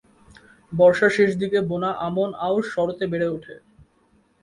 বর্ষার শেষ দিকে বোনা আমন-আউশ শরতে বেড়ে ওঠে।